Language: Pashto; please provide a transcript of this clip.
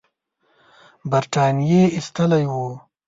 برټانیې ایستل وو.